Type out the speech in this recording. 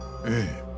ええ。